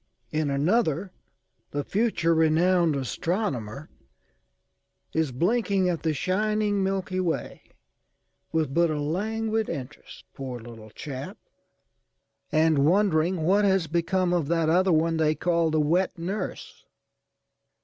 In another the future renowned astronomer is blinking at the shining Milky Way with but a languid interest poor little chap!â€"and wondering what has become of that other one they call the wet nurse.